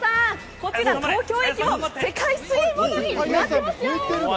こちら、東京駅も世界水泳モードになってますよ。